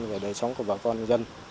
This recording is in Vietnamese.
để đời sống của bà con dân